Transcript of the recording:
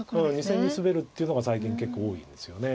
２線にスベるっていうのが最近結構多いですよね。